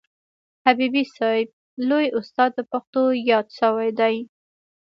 حبیبي صاحب لوی استاد د پښتو یاد سوی دئ.